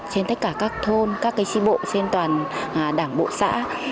trên tất cả các thôn các tri bộ trên toàn đảng bộ xã